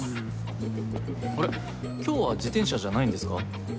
今日は自転車じゃないんですか？